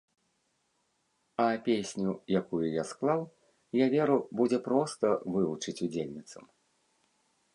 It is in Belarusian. А песню, якую я склаў, я веру, будзе проста вывучыць удзельніцам.